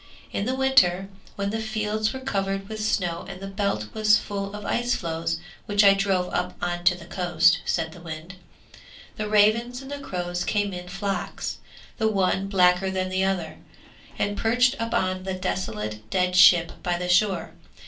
In the winter, when the fields were covered with snow and the Belt was full of ice floes which I drove up on to the coast,' said the wind, 'the ravens and crows came in flocks, the one blacker than the other, and perched upon the desolate, dead ship by the shore.